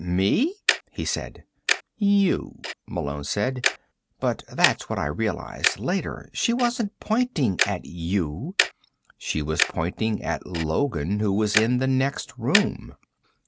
"Me?" he said. "You," Malone said. "But that's what I realized later. She wasn't pointing at you. She was pointing at Logan, who was in the next room."